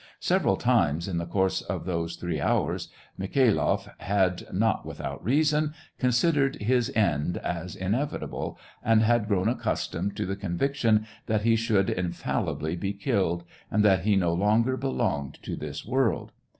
Several times in the course of those three hours, Mi khailoff had, not without reason, considered his end as inevitable, and had grown accustomed to the conviction that he should infallibly be killed, and that he no longer belonged to this world.